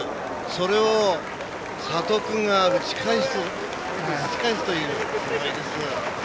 それを佐藤君が打ち返すというすごいです。